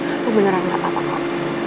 aku beneran gak apa apa kok